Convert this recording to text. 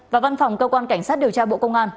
và văn phòng cơ quan cảnh sát điều tra bộ công an